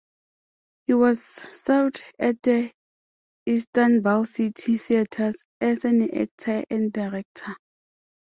He has served at the Istanbul City Theatres as an actor and director.